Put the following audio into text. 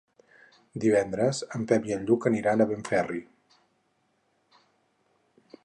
Divendres en Pep i en Lluc aniran a Benferri.